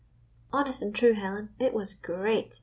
" Honest and true, Helen, it was great.